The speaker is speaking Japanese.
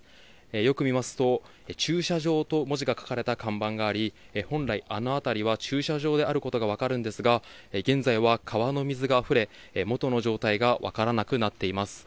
よく見ますと、駐車場と文字が書かれた看板があり、本来、あの辺りは駐車場であることが分かるんですが、現在は川の水があふれ、元の状態が分からなくなっています。